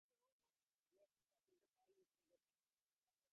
আমি এখনো ছাত্রীদের ভায়োলিন শেখাতে পারবো।